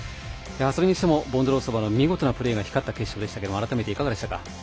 それにしてもボンドロウソバの見事なプレーが光った決勝でしたけども改めて、いかがでしたか？